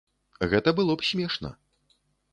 Гэта было б смешна.